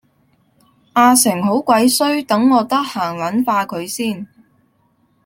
阿成好鬼衰等我得閒撚化佢先